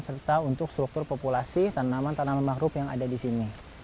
serta untuk struktur populasi tanaman tanaman makhluk yang ada disini